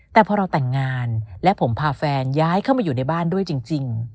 แต่พอเราแต่งงานและผมพาแฟนย้ายเข้ามาอยู่ในบ้านด้วยจริง